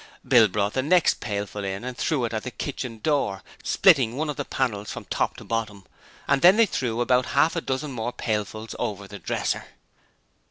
Bill brought the next pailful in and threw it at the kitchen door, splitting one of the panels from top to bottom, and then they threw about half a dozen more pailfuls over the dresser.